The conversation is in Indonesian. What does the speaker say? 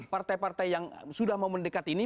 partai partai yang sudah mau mendekat ini